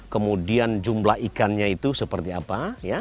kemudian jumlah ikannya itu seperti apa